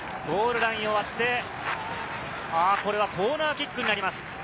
ゴールラインを割って、これはコーナーキックになります。